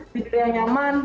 tidur yang nyaman